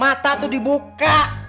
mata tuh dibuka